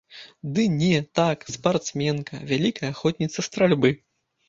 Ды не, так, спартсменка, вялікая ахвотніца стральбы.